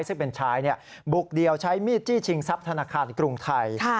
ซึ่งเป็นชายบุกเดียวใช้มีดจี้ชิงทรัพย์ธนาคารกรุงไทย